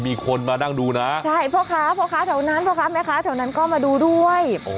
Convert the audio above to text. มีคนมานั่งดูนะใช่พ่อค้าพ่อค้าแถวนั้นพ่อค้าแม่ค้าแถวนั้นก็มาดูด้วย